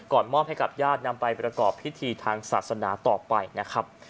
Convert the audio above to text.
มอบให้กับญาตินำไปประกอบพิธีทางศาสนาต่อไปนะครับ